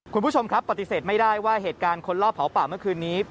คุณผู้ชมครับปฏิเสธไม่ได้ว่าเหตุการณ์คนรอบเผาป่าเมื่อคืนนี้